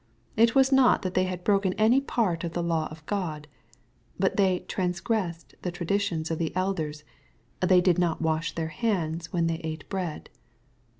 It was not that they had broken any part of the law of God. But they " transgressed the traditions of the elders. — They did not wash their hands when they ate bread."